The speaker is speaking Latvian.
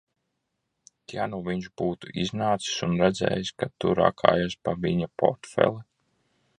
Ja nu viņš būtu iznācis un redzējis, ka tu rakājies pa viņa portfeli?